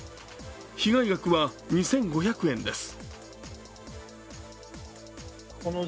被害額は２５００円です。